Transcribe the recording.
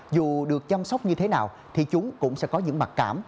dù được chăm sóc như thế nào thì chúng cũng sẽ có những mặc cảm